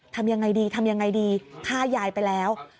ทำยังไงดีทำยังไงดีฆ่ายายไปแล้ว